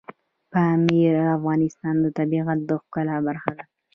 پامیر د افغانستان د طبیعت د ښکلا برخه ده.